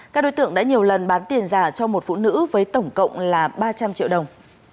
các đối tượng đã nhiều lần bán tiền giả cho một phụ nữ với tổng cộng là ba trăm linh triệu đồng